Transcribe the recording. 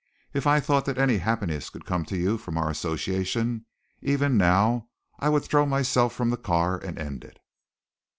If I thought that any happiness could come to you from our association, even now I would throw myself from the car and end it."